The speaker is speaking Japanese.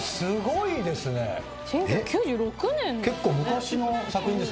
１９９６年ですよね。